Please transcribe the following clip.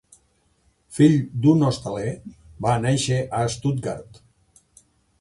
Fill d'un hostaler, va néixer a Stuttgart.